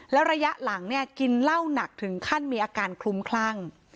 แล้วระยะหลังเนี่ยกินเหล้าหนักถึงขั้นมีอาการคลุ้มคลั่ง